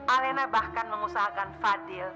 alena bahkan mengusahakan fadil